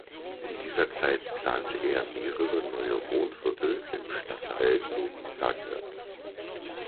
In dieser Zeit plante er mehrere neue Wohnviertel im Stadtteil Novi Zagreb.